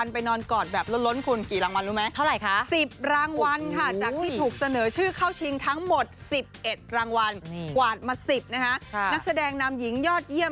นักแสดงนำหญิงยอดเยี่ยม